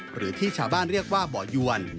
หรือที่ชาวบ้านเรียกว่าบ่อยวน